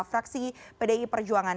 fraksi pdi perjuangan